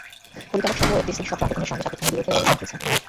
পরিচালকসহ এফডিসির সব সংগঠনের সঙ্গে শাকিব খানের বিরোধের অবসান হয়েছে।